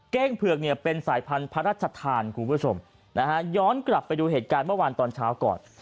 ้งเผือกเนี่ยเป็นสายพันธุ์พระราชทานคุณผู้ชมนะฮะย้อนกลับไปดูเหตุการณ์เมื่อวานตอนเช้าก่อน